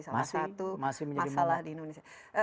salah satu masalah di indonesia